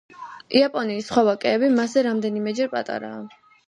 იაპონიის სხვა ვაკეები მასზე რამდენიმეჯერ პატარაა.